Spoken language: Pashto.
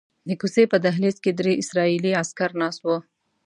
د کوڅې په دهلیز کې درې اسرائیلي عسکر ناست وو.